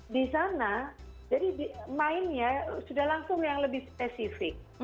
di sana jadi mainnya sudah langsung yang lebih spesifik